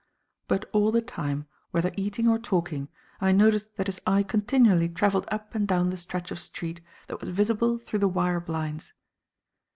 But all the time, whether eating or talking, I noticed that his eye continually travelled up and down the stretch of street that was visible through the wire blinds.